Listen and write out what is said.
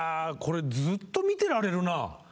これずっと見てられるな。